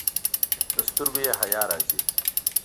له سترګو یې حیا راځي.